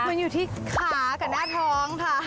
มันอยู่ที่ขากับหน้าท้องค่ะ